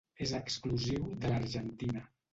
És exclusiu de l'Argentina.